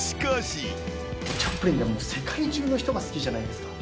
チャップリンって、世界中の人が好きじゃないですか。